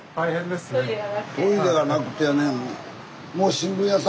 トイレがなくてやね。